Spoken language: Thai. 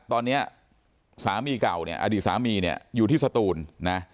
ตอนนี้สามีเก่าเนี่ยอดีตสามีเนี่ยอยู่ที่สตูนนะ